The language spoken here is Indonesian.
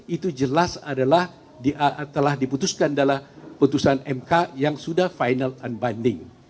itu jelas adalah telah diputuskan dalam putusan mk yang sudah final unbing